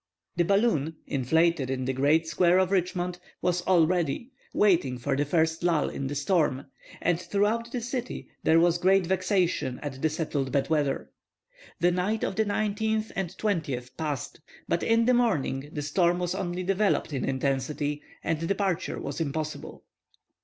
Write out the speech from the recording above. The balloon, inflated in the great square of Richmond, was all ready, waiting for the first lull in the storm; and throughout the city there was great vexation at the settled bad weather. The night of the 19th and 20th passed, but in the morning the storm was only developed in intensity, and departure was impossible.